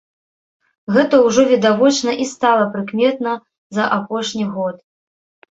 Гэта ўжо відавочна і стала прыкметна за апошні год.